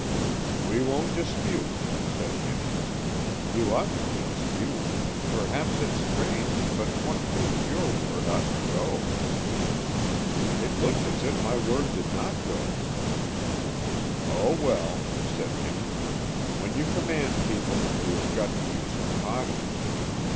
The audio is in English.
"We won't dispute," said Jimmy. "You oughtn't to dispute. Perhaps it's strange, but one feels your word ought to go." "It looks as if my word did not go." "Oh, well," said Jimmy, "when you command people, you have got to use some caution.